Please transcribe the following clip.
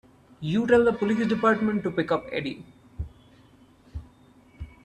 You tell the police department to pick up Eddie.